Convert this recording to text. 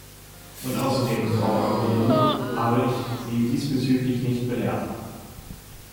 Und außerdem, Frau Angelilli, habe ich Sie diesbezüglich nicht belehrt!